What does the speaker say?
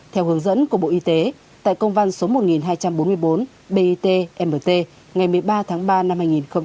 theo hướng dẫn của bộ y tế tại công văn số một nghìn hai trăm bốn mươi bốn bitmt ngày một mươi ba tháng ba năm hai nghìn hai mươi